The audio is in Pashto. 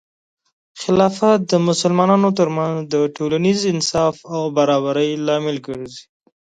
خلافت د مسلمانانو ترمنځ د ټولنیز انصاف او برابري لامل ګرځي.